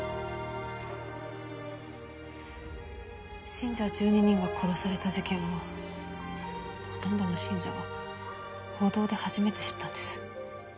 信者１２人が殺された事件をほとんどの信者は報道で初めて知ったんです。